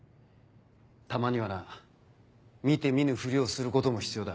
たまにはな見て見ぬふりをすることも必要だ。